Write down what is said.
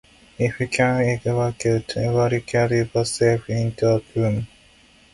If you can’t evacuate, barricade yourself into a room.